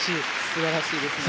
素晴らしいですね。